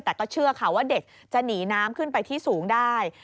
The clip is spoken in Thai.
แต่ก็เชื่อค่ะว่าเด็กจะหนีน้ำขึ้นไปที่สูงได้